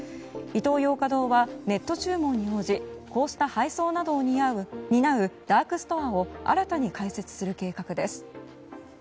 イトーヨーカ堂はネット注文に応じこうした配送などを担うダークストアを新たに開設する計画です。